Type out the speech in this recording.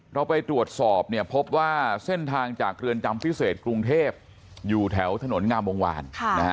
เราไปตรวจสอบพบว่าเส้นทางจากเรือนจำพิเศษกรุงเทพอยู่แถวถนนงามวงวาน